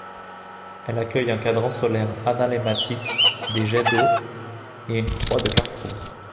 Elle accueille un cadran solaire analemmatique, des jets d'eau et une croix de carrefour.